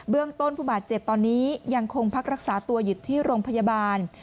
เรื่องต้นผู้บาดเจ็บตอนนี้ยังคงพักรักษาตัวอยู่ที่โรงพยาบาล